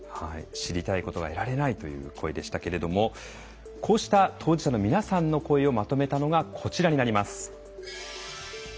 知りたいことが得られないという声でしたけれどもこうした当事者の皆さんの声をまとめたのがこちらになります。